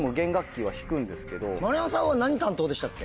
丸山さんは何担当でしたっけ？